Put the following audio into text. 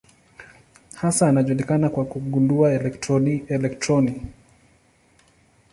Hasa anajulikana kwa kugundua elektroni.